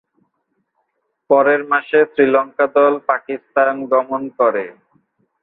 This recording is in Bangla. পরের মাসে শ্রীলঙ্কা দল পাকিস্তান গমন করে।